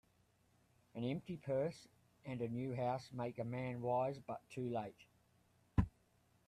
An empty purse, and a new house, make a man wise, but too late.